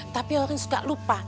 tapi orang suka lupa